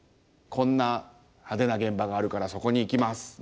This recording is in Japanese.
こんな派手な現場があるからそこに行きます。